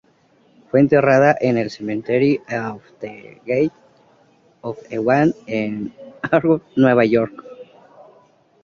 Fue enterrada en el Cemetery of the Gate of Heaven en Hawthorne, Nueva York.